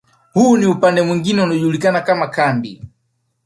Huu ni upande mwingine unaojulikana kama kambi